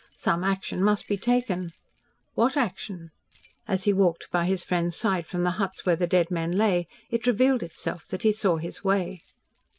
Some action must be taken. What action? As he walked by his friend's side from the huts where the dead men lay it revealed itself that he saw his way.